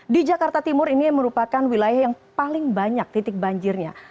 di jakarta timur ini merupakan wilayah yang paling banyak titik banjirnya